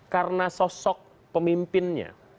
karena sosok pemimpinnya